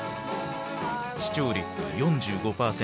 視聴率４５％。